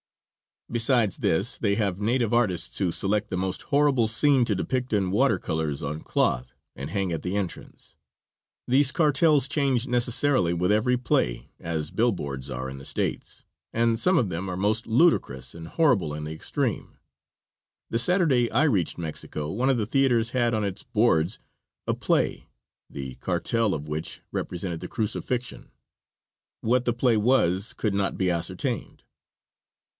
Besides this they have native artists who select the most horrible scene to depict in water colors on cloth and hang at the entrance; these "cartels" changed necessarily with every play, as billboards are in the States, and some of them are most ludicrous and horrible in the extreme. The Saturday I reached Mexico one of the theaters had on its boards a play, the cartel of which represented the crucifixion. What the play was could not be ascertained.